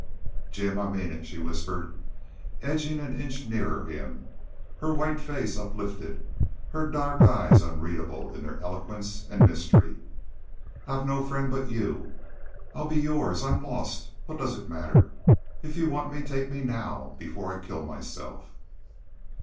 "Jim, I mean it," she whispered, edging an inch nearer him, her white face uplifted, her dark eyes unreadable in their eloquence and mystery. "I've no friend but y'u. I'll be yours.... I'm lost.... What does it matter? If y'u want me take me NOW before I kill myself."